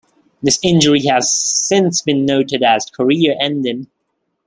This injury has since been noted as career ending.